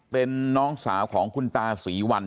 เป็นน้องสาวของคุณตาศรีวัล